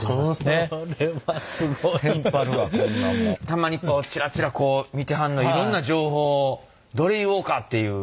たまにこうチラチラ見てはんのはいろんな情報をどれ言おうかっていう。